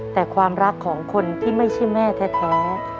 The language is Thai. แต่ความรักของคนที่ไม่ใช่แม่แท้